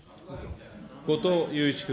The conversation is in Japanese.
後藤祐一君。